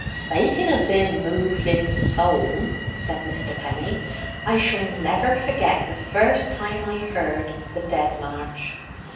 "Spaking of being moved in soul," said Mr. Penny, "I shall never forget the first time I heard the 'Dead March.'